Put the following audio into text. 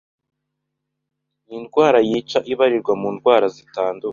Ni indwara yica, ibarirwa mu zitandura.